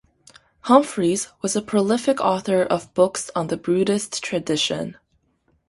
Humphreys was a prolific author of books on the Buddhist tradition.